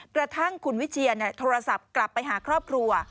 กระทั่งคุณวิเชียนโทรศัพท์กลับไปหาครอบครัว